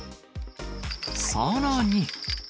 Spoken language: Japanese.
さらに。